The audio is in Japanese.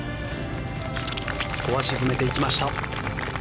ここは沈めていきました。